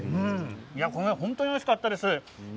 本当においしかったです。